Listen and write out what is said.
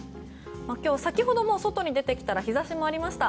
先ほども外に出てきたら日差しもありました。